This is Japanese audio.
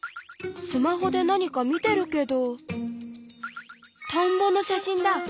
スマホで何か見てるけど田んぼの写真だ！